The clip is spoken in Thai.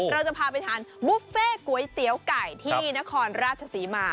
เราจะพาไปทานบุฟเฟ่ก๋วยเตี๋ยวไก่ที่นครราชศรีมา